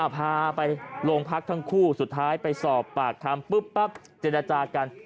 พาไปโรงพักทั้งคู่สุดท้ายไปสอบปากคำปุ๊บปั๊บเจรจากัน